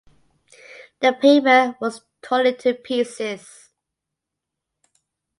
The paper was torn into pieces.